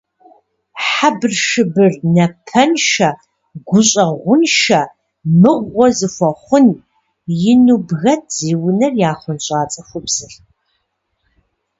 Хьэбыршыбыр, напэншэ, гущӏэгъуншэ, мыгъуэ зыхуэхъун! - ину бгэт зи унэр яхъунщӏа цӏыхубзыр.